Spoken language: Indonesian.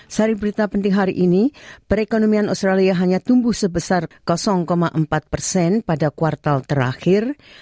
sari berita penting hari ini perekonomian australia hanya tumbuh sebesar empat persen pada kuartal terakhir